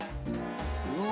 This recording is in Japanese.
うわ